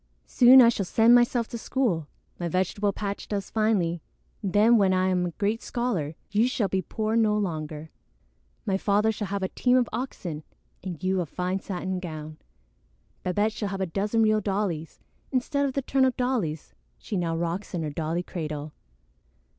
"Soon I shall send myself to school. My vegetable patch does finely. Then, when I am a great scholar, you shall be poor no longer. My father shall have a team of oxen and you a fine satin gown; Babette shall have a dozen real dollies instead of the turnip dollies she now rocks in her dolly cradle."